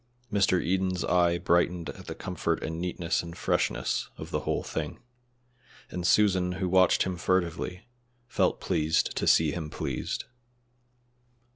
Mr. Eden's eye brightened at the comfort and neatness and freshness of the whole thing; and Susan, who watched him furtively, felt pleased to see him pleased.